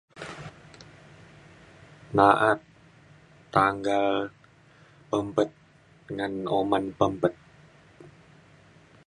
na'at tanggal pempet ngan oman pempet.